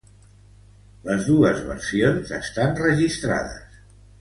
Les dos versions estan registrades.